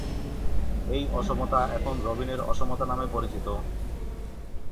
এই অসমতা এখন রবিনের অসমতা নামে পরিচিত।